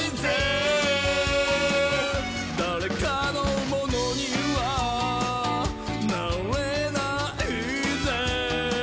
「だれかのものにはなれないぜ」